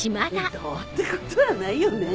どうってことはないよね。